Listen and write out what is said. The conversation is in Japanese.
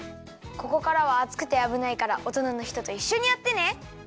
ここからはあつくてあぶないからおとなのひとといっしょにやってね。